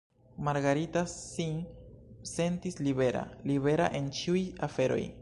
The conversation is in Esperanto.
Margarita sin sentis libera, libera en ĉiuj aferoj.